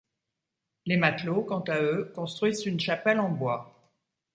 Les matelots, quant à eux, construisent une chapelle en bois.